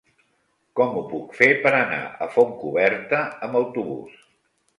Com ho puc fer per anar a Fontcoberta amb autobús?